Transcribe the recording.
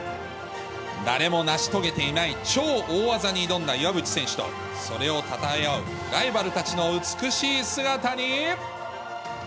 誰も成し遂げていない超大技に挑んだ岩渕選手と、それをたたえ合うライバルたちの美しい姿に。